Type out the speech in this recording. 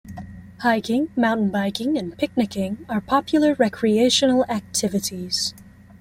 Hiking, mountain biking, and picnicking are popular recreational activities.